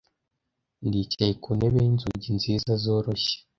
Ndicaye kuntebe yinzugi nziza zoroshye,